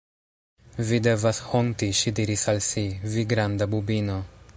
“Vi devas honti,” ŝi diris al si, “vi granda bubino!”